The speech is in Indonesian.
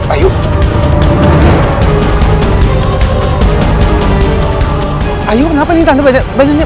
ayu kenapa nih tante badannya